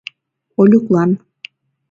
— Олюклан.